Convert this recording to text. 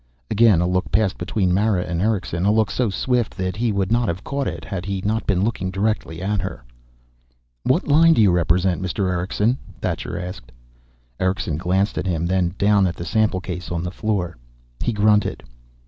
Again a look passed between Mara and Erickson, a look so swift that he would not have caught it had he not been looking directly at her. "What line do you represent, Mr. Erickson?" Thacher asked. Erickson glanced at him, then down at the sample case on the floor. He grunted.